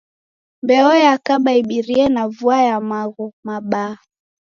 Mbeo yakaba ibirie na vua ya magho mabaa.